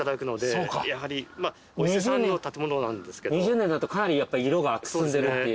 ２０年だとかなりやっぱ色がくすんでるっていう。